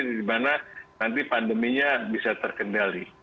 dimana nanti pandeminya bisa terkendali